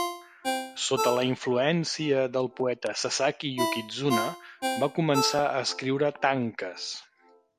Sota la influència del poeta Sasaki Yukitsuna, va començar a escriure tankes.